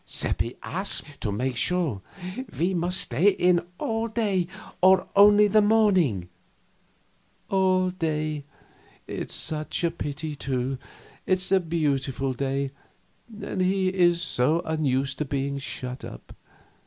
Seppi asked, to make sure: "Must he stay in all day, or only the morning?" "All day. It's such a pity, too; it's a beautiful day, and he is so unused to being shut up.